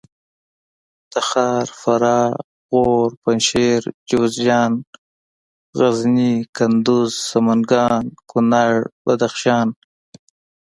تخار فراه غور پنجشېر جوزجان غزني کندوز سمنګان کونړ بدخشان